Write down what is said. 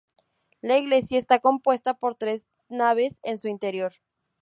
La iglesia está compuesta por tres naves en su interior.